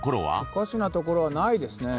おかしなところはないですね。